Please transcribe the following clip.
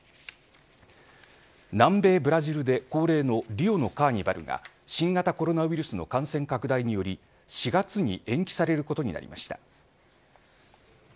南米ブラジルで恒例のリオのカーニバルが新型コロナウイルスの感染拡大により４月に延期されることになりました。